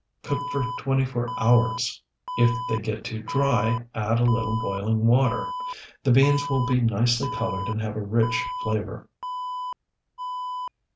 Cook for twenty four hours. If they get too dry, add a little boiling water. The beans will be nicely colored and have a rich flavor.